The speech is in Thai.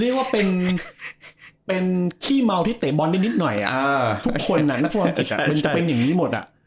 เรียกว่าเป็นกี้เมาที่เตะบอลได้นิดหน่อยอ่าทุกคนยะประมาณนี้มันจะมันจะเป็นอย่างงี้หมดอ่ะ